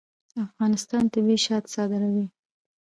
افغانستان طبیعي شات صادروي